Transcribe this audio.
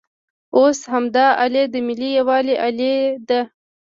اوس همدا الې د ملي یووالي الې ده.